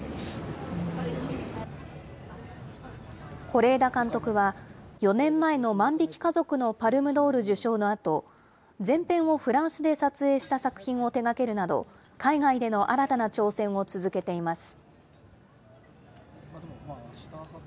是枝監督は、４年前の万引き家族のパルムドール受賞のあと、全編をフランスで撮影した作品を手がけるなど、海外での新たな挑戦を続けています。